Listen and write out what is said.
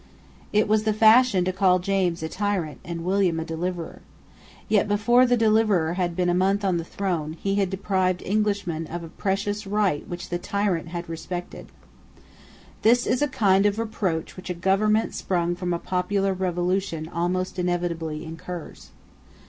It was the fashion to call James a tyrant, and William a deliverer. Yet, before the deliverer had been a month on the throne, he had deprived Englishmen of a precious right which the tyrant had respected. This is a kind of reproach which a government sprung from a popular revolution almost inevitably incurs.